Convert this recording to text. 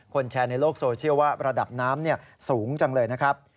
แชร์ในโลกโซเชียลว่าระดับน้ำสูงจังเลยนะครับ